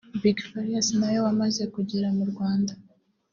Big Farious na we wamaze kugera mu Rwanda